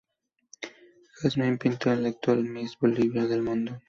Jasmin Pinto es la actual Miss Bolivia Mundo.